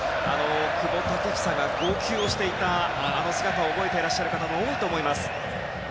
久保建英が号泣していたあの姿を覚えていらっしゃる方も多いと思います。